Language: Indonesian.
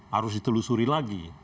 harus ditelusuri lagi